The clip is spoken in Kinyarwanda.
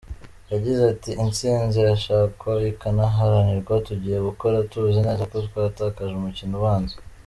Yagize ati” Intsinzi irashakwa ikanaharanirwa tugiye gukora tuzi neza ko twatakaje umukino ubanza.